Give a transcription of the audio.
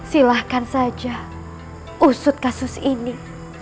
silahkan saja usut kasus ini